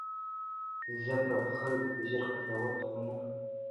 زه به خلکو ته ژر قضاوت ونه کړم.